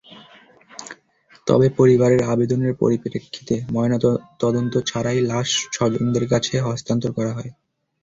তবে পরিবারের আবেদনের পরিপ্রেক্ষিতে ময়নাতদন্ত ছাড়াই লাশ স্বজনদের কাছে হস্তান্তর করা হয়।